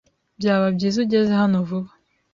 Byaba byiza ugeze hano vuba.